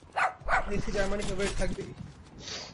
Messi Germany favourite থাকবেই।